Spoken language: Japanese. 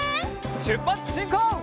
しゅっぱつしんこう！